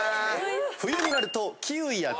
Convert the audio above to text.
冬になると。